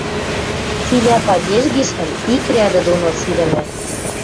Цилӓ падеж гишӓн ик рӓдӹ доно сирӹмӹ: